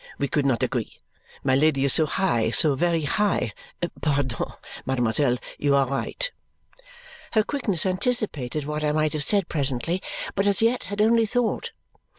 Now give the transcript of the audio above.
We could not agree. My Lady is so high, so very high. Pardon! Mademoiselle, you are right!" Her quickness anticipated what I might have said presently but as yet had only thought.